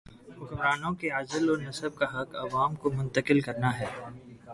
حکمرانوں کے عزل و نصب کا حق عوام کو منتقل کرنا ہے۔